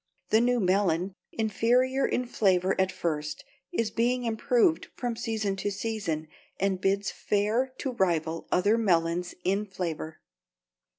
The new melon, inferior in flavor at first, is being improved from season to season and bids fair to rival other melons in flavor.